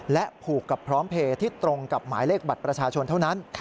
และผูกกับพร้อมเพลย์ที่ตรงกับหมายเลขบัตรประชาชนเท่านั้น